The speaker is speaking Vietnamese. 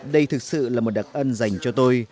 đây thực sự là một đặc ân dành cho tôi